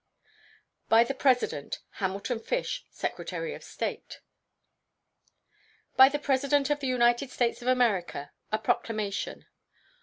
By the President: HAMILTON FISH, Secretary of State. BY THE PRESIDENT OF THE UNITED STATES OF AMERICA. A PROCLAMATION.